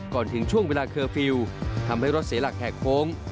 ก่อนถึงช่วงเวลาเคอร์ฟิลทำให้รถเสร็จหลักแหกโพง